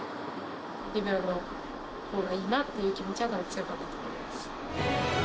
リベロのほうがいいなっていう気持ちは多分強かったと思います。